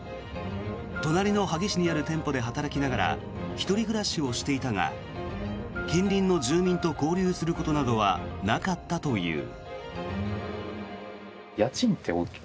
隣の萩市にある店舗で働きながら１人暮らしをしていたが近隣の住民と交流することなどはなかったという。